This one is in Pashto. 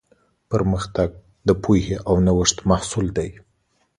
پرمختګ د پوهې او نوښت محصول دی.